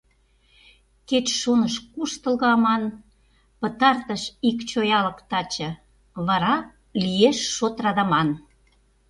Кеч шоныш куштылго аман: Пытартыш ик чоялык таче, Вара лиеш шот радаман.